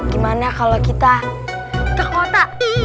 gimana kalau kita ke kota